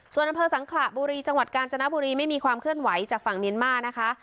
ส่วนอำเภอสังขระบุรีจังหวัดกาญจนบุรีไม่มีความเคลื่อนไหวจากฝั่งเมียนมานะคะ